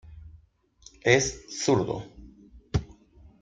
Es zurdo.